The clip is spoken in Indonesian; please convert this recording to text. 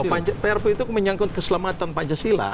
pertanyaan pancasila prp itu menyangkut keselamatan pancasila